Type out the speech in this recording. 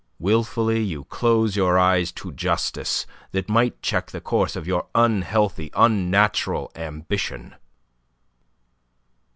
"Wilfully you close your eyes to justice that might check the course of your unhealthy, unnatural ambition."